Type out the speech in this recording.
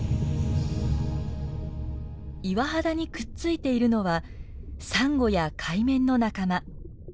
岩肌にくっついているのはサンゴやカイメンの仲間。